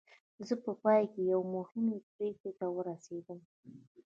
زه په پای کې یوې مهمې پرېکړې ته ورسېدم